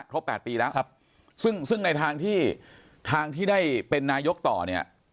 ครบ๘ปีแล้วซึ่งในทางที่ได้เป็นนายกต่อเนี่ย